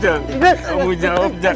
jang kamu jawab jang